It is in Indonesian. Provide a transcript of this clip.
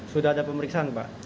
sudah ada pemeriksaan pak